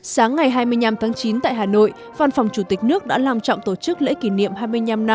sáng ngày hai mươi năm tháng chín tại hà nội văn phòng chủ tịch nước đã lòng trọng tổ chức lễ kỷ niệm hai mươi năm năm